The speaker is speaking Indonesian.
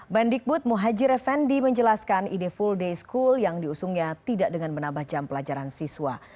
mendikbud muhajir effendi menjelaskan ide full day school yang diusungnya tidak dengan menambah jam pelajaran siswa